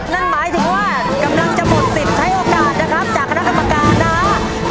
นั่นหมายถึงว่ากำลังจะหมดสิทธิ์ใช้โอกาสนะครับจากคณะกรรมการนะฮะ